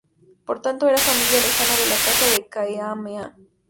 Por tanto, eran familia lejana de la Casa de Kamehameha.